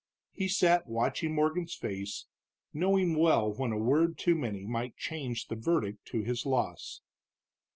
He sat watching Morgan's face, knowing well when a word too many might change the verdict to his loss.